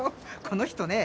この人ね